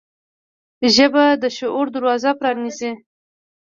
ژبه د شعور دروازه پرانیزي